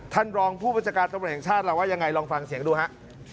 ท่านรองผู้บัญชาการตำรวจแห่งชาติเราว่ายังไงลองฟังเสียงดูฮะ